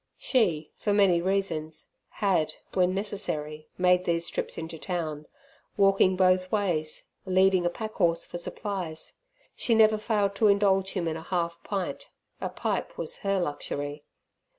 She, for many reasons, had when necessary made these trips into town, walking both ways, leading a pack horse for supplies. She never failed to indulge him in a half pint a pipe was her luxury.